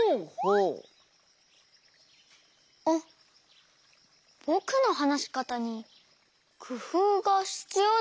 あっぼくのはなしかたにくふうがひつようだったんでしょうか？